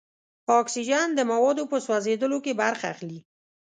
اکسیجن د موادو په سوځیدلو کې برخه اخلي.